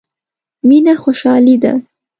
مينه خوشالي ده.